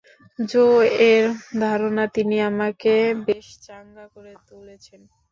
জো-এর ধারণা তিনি আমাকে বেশ চাঙা করে তুলেছেন।